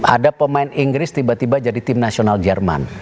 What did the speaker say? ada pemain inggris tiba tiba jadi tim nasional jerman